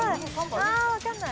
ああわかんない。